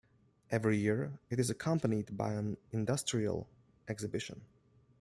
Every year, it is accompanied by an industrial exhibition.